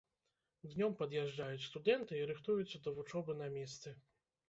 Днём пад'язджаюць студэнты і рыхтуюцца да вучобы на месцы.